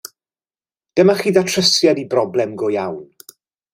Dyma chi ddatrysiad i broblem go iawn.